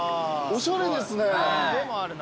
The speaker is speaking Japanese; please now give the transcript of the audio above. おしゃれですね。